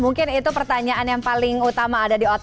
mungkin itu pertanyaan yang paling utama ada di otak